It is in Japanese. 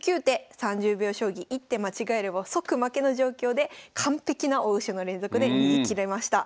３０秒将棋１手間違えれば即負けの状況で完璧な応手の連続で逃げきれました。